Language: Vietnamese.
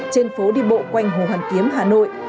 trên phố đi bộ quanh hồ hoàn kiếm hà nội